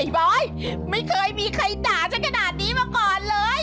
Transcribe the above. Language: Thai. บอยไม่เคยมีใครด่าฉันขนาดนี้มาก่อนเลย